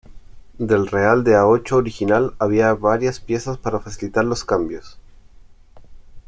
Del real de a ocho original había varias piezas para facilitar los cambios.